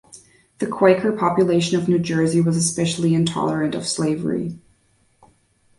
The Quaker population of New Jersey was especially intolerant of slavery.